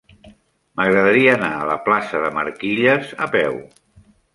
M'agradaria anar a la plaça de Marquilles a peu.